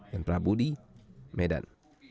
dan prabu di medan